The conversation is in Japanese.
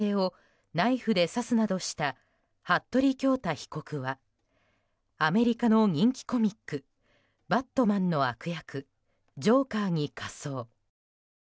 走行中の京王線特急内で火を付け乗客の男性をナイフで刺すなどした服部恭太被告はアメリカの人気コミック「バットマン」の悪役ジョーカーに仮装。